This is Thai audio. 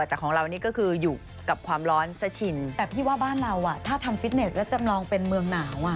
แต่ของเรานี่ก็คืออยู่กับความร้อนซะชินแต่พี่ว่าบ้านเราอ่ะถ้าทำฟิตเนสแล้วจำลองเป็นเมืองหนาวอ่ะ